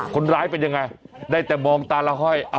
คนร้ายเป็นยังไงได้แต่มองตาละห้อย